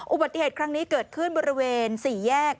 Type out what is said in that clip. อุบัติเหตุครั้งนี้เกิดขึ้นบริเวณ๔แยก